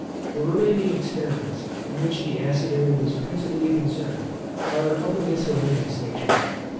The remaining experiments, in which the acid air was principally concerned, are of a miscellaneous nature.